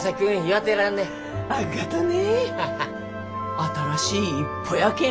新しい一歩やけん。